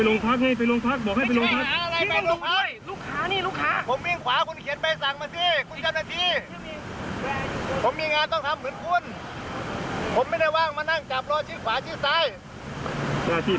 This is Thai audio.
หน้าที่คุณคุณทำไปคุณทำไป